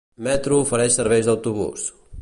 Metro ofereix serveis d'autobús.